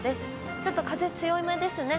ちょっと風、強めですね。